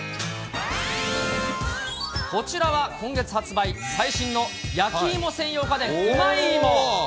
こちらは今月発売、最新の焼き芋専用家電、ウマイーモ。